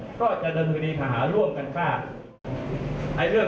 แล้วก็นายสมเกตกำลังต่อสู้กันนะคะเป็นการเผยแพร่โดยผู้ใช้เฟซบุ๊คที่ชื่อว่า